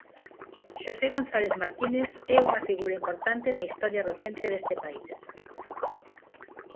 Xosé González Martínez é unha figura importante na historia recente deste país.